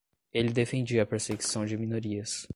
Ele defendia a perseguição de minorias